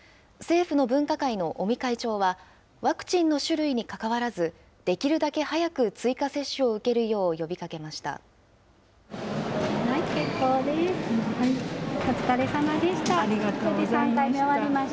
政府の分科会の尾身会長は、ワクチンの種類に関わらず、できるだけ早く追加接種を受けるよう呼びかけました。